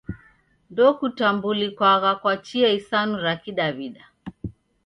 Ndokutambukilwagha kwa chia isanu ra kidamu.